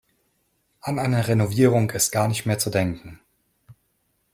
An eine Renovierung ist gar nicht mehr zu denken.